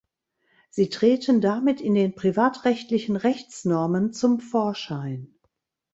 Sie treten damit in den privatrechtlichen Rechtsnormen zum Vorschein.